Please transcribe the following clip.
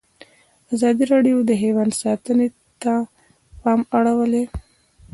ازادي راډیو د حیوان ساتنه ته پام اړولی.